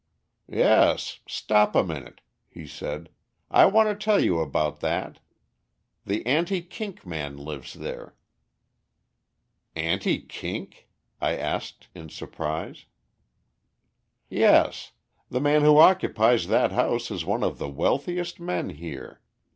"Yes; stop a minute," he said, "I want to tell you about that. The anti kink man lives there." "Anti kink?" I asked in surprise. "Yes; the man who occupies that house is one of the wealthiest men here.